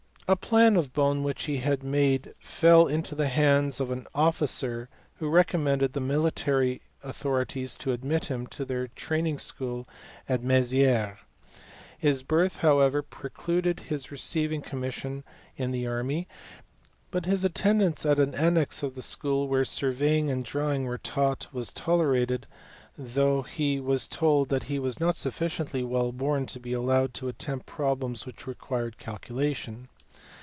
A plan of Beaune which he had made fell into the hands of an officer who recommended the military authorities to admit him to their training school at Mezieres. His birth however precluded his receiving a commission in the army, but his attendance at an annexe of the school where surveying and drawing were taught was tolerated, though he was told that he was not sufficiently well born to be allowed to attempt problems which required calculation.